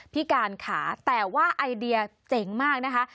พี่การค่ะแต่ว่าไอเดียเจ๋งมากนะคะ